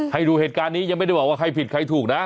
ให้ดูเหตุการณ์นี้ยังไม่ได้บอกว่าใครผิดใครถูกนะ